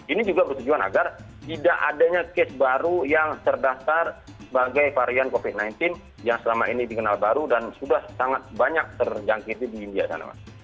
ini juga bertujuan agar tidak adanya case baru yang terdaftar sebagai varian covid sembilan belas yang selama ini dikenal baru dan sudah sangat banyak terjangkiti di india sana